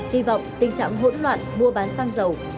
hy vọng tình trạng hỗn loạn mua bán xăng dầu sẽ sớm chấm dứt